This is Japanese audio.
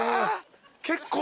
結構。